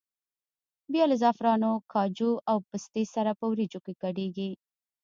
بیا له زعفرانو، کاجو او پستې سره په وریجو کې ګډېږي.